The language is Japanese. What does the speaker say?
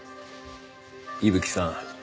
伊吹さん